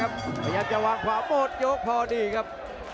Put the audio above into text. พยายามจะวางขวาหมดยกพอดีครับ